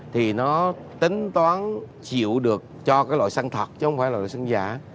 thì nó tính toán chịu được cho cái loại xăng thật chứ không phải loại xăng giả